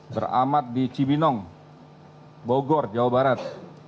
beramat di cibinong bogor jawa barat